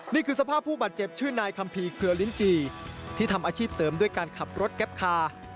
นี่คือสภาพผู้บาดเจ็บชื่อนายคัมภีร์เคลือลิ้นจี่ที่ทำอาชีพเสริมด้วยการขับรถแก๊ปคา